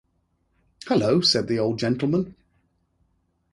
‘Hallo!’ said the old gentleman.